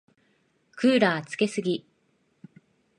クーラーつけすぎ。